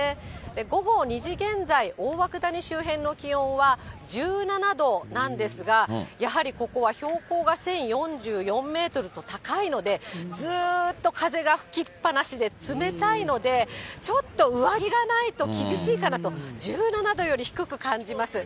午後２時現在、大涌谷周辺の気温は１７度なんですが、やはりここは標高が１０４４メートルと高いので、ずっと風が吹きっぱなしで冷たいので、ちょっと上着がないと厳しいかなと、１７度より低く感じます。